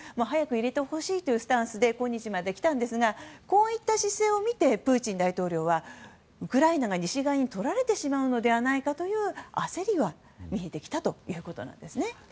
早く入れてほしいというスタンスで今日まで来たんですがこういった姿勢を見てプーチン大統領はウクライナが西側に取られてしまうのではないかという焦りが見えてきたということなんですね。